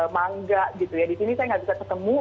di sini saya nggak bisa ketemu